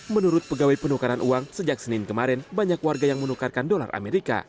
menurut pegawai penukaran uang sejak senin kemarin banyak warga yang menukarkan dolar amerika